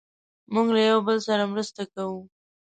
موږ له یو بل سره مرسته کوو.